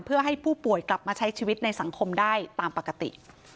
เพื่อให้ผู้ป่วยกลับมาใช้ชีวิตในสังคมได้ตามปกติ